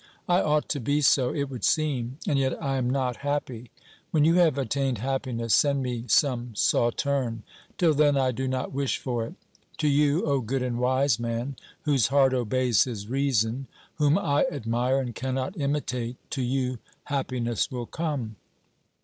I ought to be so, it would seem ; and yet I am not happy. When you have attained happiness, send me some Sauterne ; till then, I do not wish for it. To you, 0 good and wise man, whose heart obeys his reason, whom 1 admire and cannot imitate — to you happiness will come.